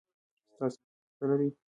ستاسو امتحان کله دی؟